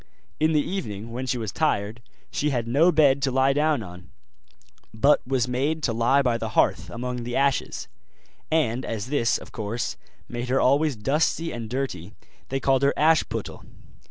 In the evening when she was tired, she had no bed to lie down on, but was made to lie by the hearth among the ashes; and as this, of course, made her always dusty and dirty, they called her Ashputtel.